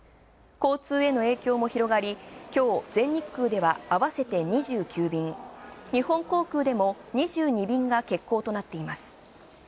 交通への影響も広がり、今日、全日空ではあわせて２９便、日本航空でも２２便が欠航となっています。